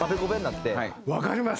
わかります！